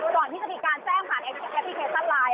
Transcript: ก่อนที่จะมีการแจ้งผ่านแอปพลิเคชันไลน์